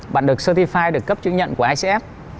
bạn được certified được cấp chứng nhận của icf